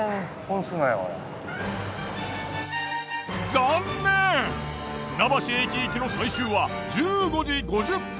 残念船橋駅行きの最終は１５時５０分。